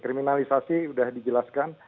kriminalisasi sudah dijelaskan